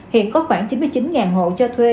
hiện có khoảng chín mươi chín hộ cho thuê